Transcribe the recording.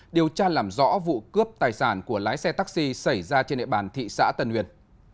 điều tra làm rõ vụ cướp tài sản của lái xe taxi xảy ra trên địa bàn thị xã tân nguyên